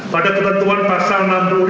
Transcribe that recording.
pada ketentuan pasal enam puluh lima